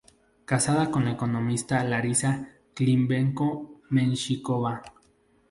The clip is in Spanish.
Casado con la economista Larissa Klimenko-Menshikova.